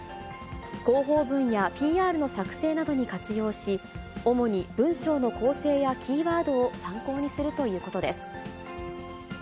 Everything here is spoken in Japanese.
広報文やＰＲの作成などに活用し、主に文章の構成やキーワードを参考にするということです。